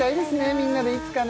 みんなでいつかね